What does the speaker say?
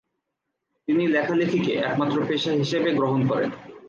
তিনি লেখালেখিকে একমাত্র পেশা হিসেবে গ্রহণ করেন।